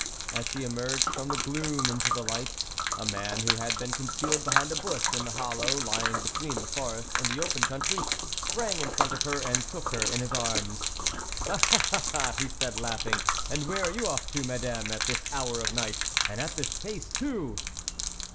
As she emerged from the gloom into the light, a man, who had been concealed behind a bush in the hol low lying between the forest and the open country, sprang in front of her and took her in his arms. " Ah ! ah !" he said, laughing, " and where are you off to, Madame, at this hour of the night, and at this pace too